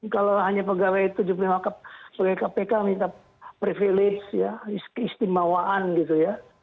kalau hanya pegawai tujuh puluh lima pegawai kpk minta privilege ya keistimewaan gitu ya